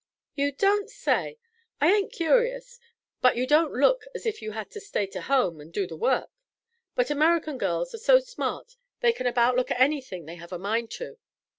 "You don't say. I ain't curious, but you don't look as if you had to stay to home and do the work. But Amurrican girls are so smart they can about look anything they have a mind to."